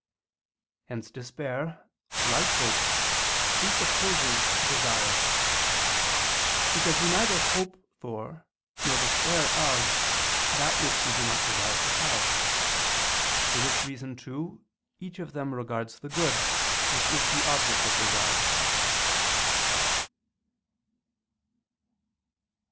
Hence despair, like hope, presupposes desire; because we neither hope for nor despair of that which we do not desire to have. For this reason, too, each of them regards the good, which is the object of desire.